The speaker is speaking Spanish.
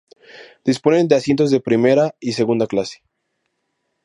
Disponen de asientos de primera y segunda clase.